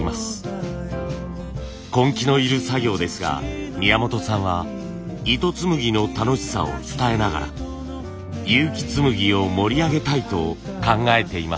根気のいる作業ですが宮本さんは糸つむぎの楽しさを伝えながら結城紬を盛り上げたいと考えています。